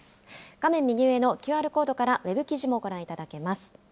画面右上のＱＲコードからウェブ記事もご覧いただけます。